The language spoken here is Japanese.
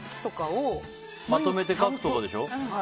まとめて書くとかでしょ。